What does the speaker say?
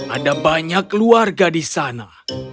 ada banyak keluarga di sana